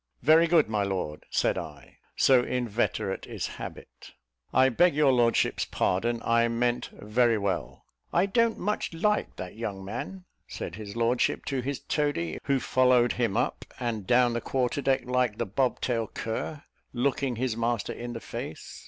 "Very good, my lord," said I, so inveterate is habit. "I beg your lordship's pardon, I mean very well." "I don't much like that young man," said his lordship to his toady, who followed him up and down the quarter deck, like "the bob tail cur," looking his master in the face.